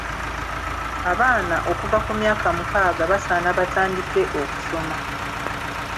Abaana okuva ku myaka mukaaga basaana batandike okusoma.